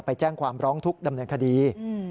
ไปแจ้งความร้องทุกข์ดำเนินคดี